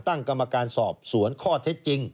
ตั้งกรรมการสอบสวนข้อเท็จจริง